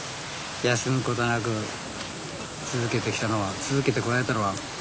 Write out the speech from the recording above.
休むことなく続けてきたのは続けてこられたのは何でしょうかね